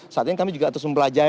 saat ini kami juga harus mempelajarkan